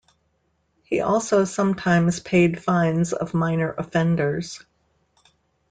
He also sometimes paid fines of minor offenders.